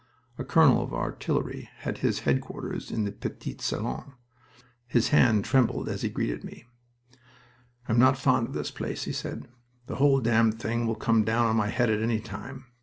A colonel of artillery had his headquarters in the petit salon. His hand trembled as he greeted me. "I'm not fond of this place," he said. "The whole damn thing will come down on my head at any time.